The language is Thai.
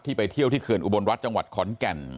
ที่ไปเที่ยวที่เกินอุบรณรัฐจังหวัดขอนแก่น